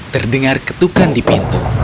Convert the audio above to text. terdengar ketukan di pintu